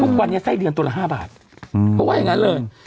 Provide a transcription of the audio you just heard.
ทุกวันนี้ไส้เดือนตัวละ๕บาทเขาว่าอย่างนั้นเลย